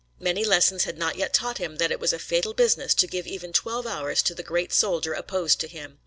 Many lessons had not yet taught him that it was a fatal business to give even twelve hours to the great soldier opposed to him.